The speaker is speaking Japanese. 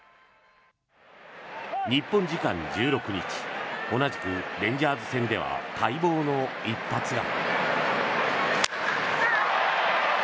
日本時間１６日同じくレンジャーズ戦では待望の一発が。